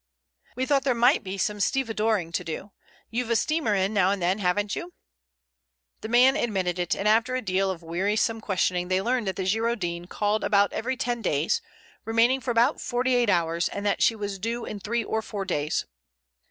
"We thought there might be some stevedoring to do. You've a steamer in now and then, haven't you?" The man admitted it, and after a deal of wearisome questioning they learned that the Girondin called about every ten days, remaining for about forty eight hours, and that she was due in three or four days.